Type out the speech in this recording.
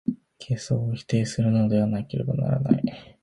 形相を否定するものでなければならない。